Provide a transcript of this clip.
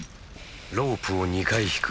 ロープを２回引く。